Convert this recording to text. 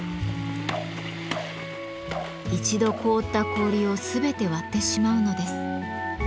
一度凍った氷を全て割ってしまうのです。